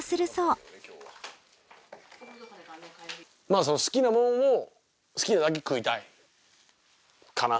まあ好きなものを好きなだけ食いたいかな。